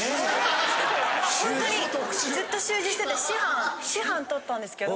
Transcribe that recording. ほんとにずっと習字してて師範とったんですけど。